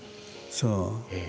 そう。